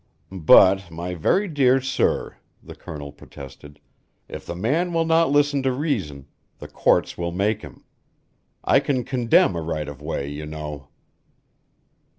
"But, my very dear sir," the Colonel protested, "if the man will not listen to reason, the courts will make him. I can condemn a right of way, you know."